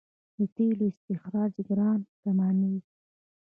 د تیلو استخراج ګران تمامېږي.